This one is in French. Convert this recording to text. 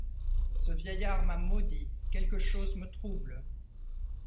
Ce vieillard m’a maudit !— Quelque chose me trouble !